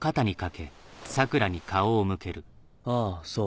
あぁそう。